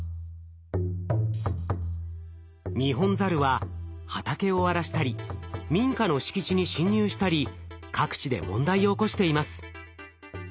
ニホンザルは畑を荒らしたり民家の敷地に侵入したり各地で問題を起こしています。